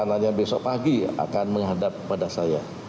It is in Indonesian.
dan rencananya besok pagi akan menghadap kepada saya